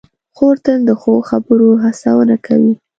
خور تل د ښو خبرو هڅونه کوي.